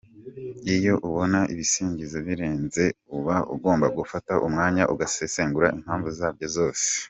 Iyo ubona ibisingizo birenze, uba ugomba gufata umwanya ugasesengura impamvu zabyo zose.